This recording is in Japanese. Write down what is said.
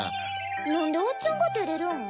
なんでおっちゃんがてれるん？